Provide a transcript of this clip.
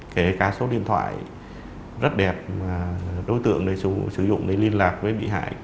kể cả số điện thoại rất đẹp mà đối tượng này sử dụng để liên lạc với bị hại